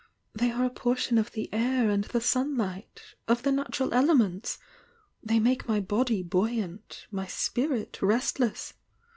Ihey kre a portion of the air and the sunhghtr of the naturafelements they make my body buoyant, my spirit restless.